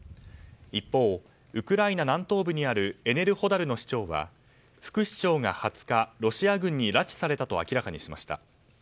一方、ウクライナ南東部にあるエネルホダルの市長は副市長が２０日、ロシア軍に拉致されたと明らかにしました。